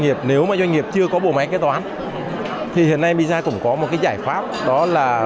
nghiệp nếu mà doanh nghiệp chưa có bộ máy kế toán thì hiện nay misa cũng có một cái giải pháp đó là